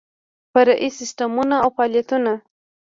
فرعي سیسټمونه او فعالیتونه